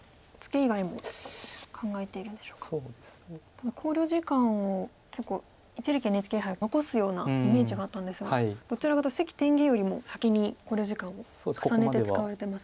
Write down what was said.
ただ考慮時間を結構一力ＮＨＫ杯は残すようなイメージがあったんですがどちらかというと関天元よりも先に考慮時間を重ねて使われてますね。